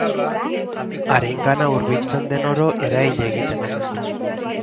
Harengana hurbiltzen den oro erail egiten omen du.